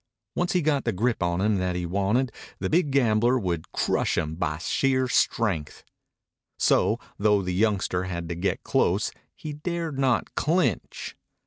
Once he got the grip on him that he wanted the big gambler would crush him by sheer strength. So, though the youngster had to get close, he dared not clinch.